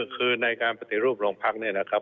คือในการปฏิรูปโรงพักเนี่ยนะครับ